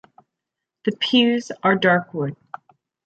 The pews are dark wood.